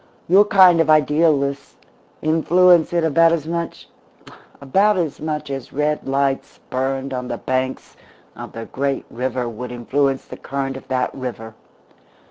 Your kind of idealists influence it about as much about as much as red lights burned on the banks of the great river would influence the current of that river.